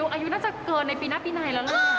อายุน่าจะเกินในปีหน้าปีไหนแล้วลูก